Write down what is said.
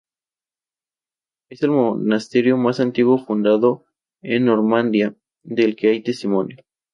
Es el monasterio más antiguo fundado en Normandía del que hay testimonio.